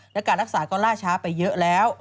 และการรักษาก็ล่าช้าไปเยอะแล้ว